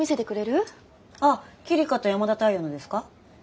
あっ希梨香と山田太陽のですか？